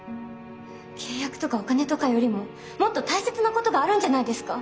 契約とかお金とかよりももっと大切なことがあるんじゃないですか？